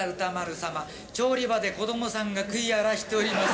調理場で子供さんが食い荒らしております。